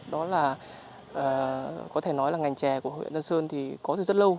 đó là có thể nói là ngành trè của huyện nân sơn thì có từ rất lâu